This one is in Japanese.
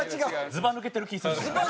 ズバ抜けてる気する。